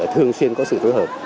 thường xuyên có sự phối hợp